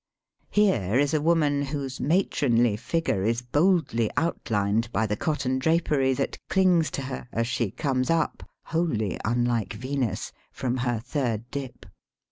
Here is a woman whose matronly figure is boldly outlined by the cotton drapery that chngs to her as she comes up, wholly unlike Venus, from her third dip.